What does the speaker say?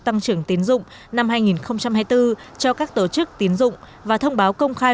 tăng trưởng tiến dụng năm hai nghìn hai mươi bốn cho các tổ chức tiến dụng và thông báo công khai